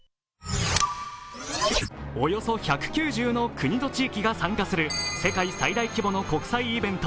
およそ１９０の国と地域が参加する世界最大規模の国際イベント